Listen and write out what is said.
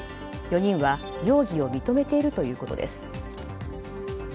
４人は容疑を認めているということです。